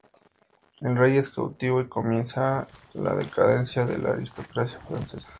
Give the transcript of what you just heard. El rey es cautivado y comienza la decadencia de la aristocracia francesa.